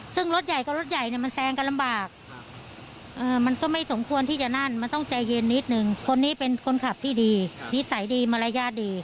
ซึ่งรถใหญ่กับรถใหญ่มันแซงก็ลำบาก